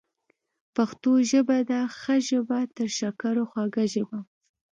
پښتو ژبه ده ښه ژبه، تر شکرو خوږه ژبه